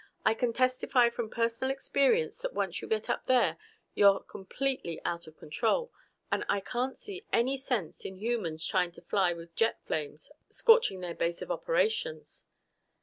I can testify from personal experience that once you get up there you're completely out of control. And I can't see any sense in humans trying to fly with jet flames scorching their base of operations.